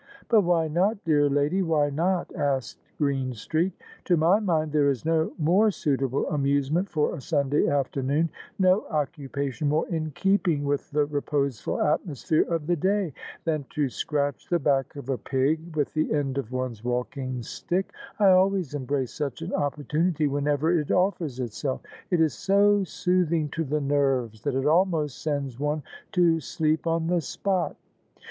" But why not, dear lady, why not? " asked Greenstreet. "To my mind there is no more suitable amusement for a OF ISABEL CARNABY Sunday afternoon — ^no occupation more in keeping with the reposeful atmosphere of the day — than to scratch the back of a pig with the end of one's walking stick. I always em brace such an opportunity whenever it offers itself: it is so soothing to the nerves that it almost sends one to sleep on the spot."